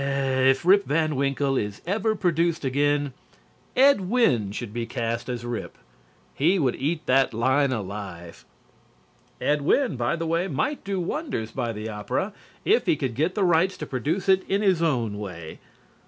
If "Rip Van Winkle" is ever produced again, Ed Wynn should be cast as Rip. He would eat that line alive. Ed Wynn, by the way, might do wonders by the opera if he could get the rights to produce it in his own way.